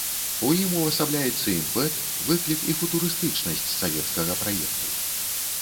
У ім увасабляецца імпэт, выклік і футурыстычнасць савецкага праекту.